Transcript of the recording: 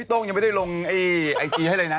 โต้งยังไม่ได้ลงไอจีให้เลยนะ